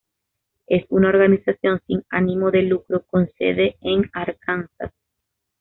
Es una organización sin ánimo de lucro con sede en Arkansas.